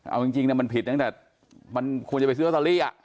เอาจริงมันผิดตั้งแต่มันควรจะไปซื้อลอตเตอรี่